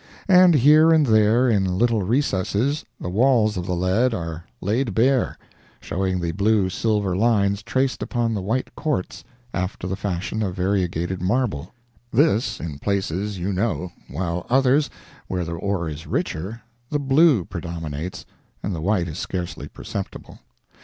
And here and there in little recesses, the walls of the lead are laid bare, showing the blue silver lines traced upon the white quartz, after the fashion of variegated marble—this, in places, you know, while others, where the ore is richer, the blue predominates and the white is scarcely perceptible.